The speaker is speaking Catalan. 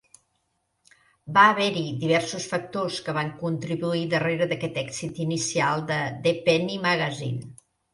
Va haver-hi diversos factors que van contribuir darrere d'aquest èxit inicial de "The Penny Magazine".